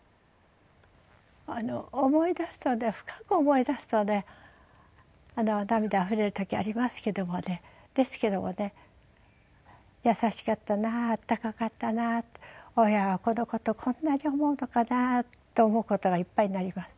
思い出すとね深く思い出すとね涙あふれる時ありますけどもねですけどもね優しかったな温かかったな親は子の事こんなに思うのかなと思う事がいっぱいになります。